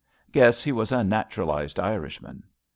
Guess he was a naturalised Irishman.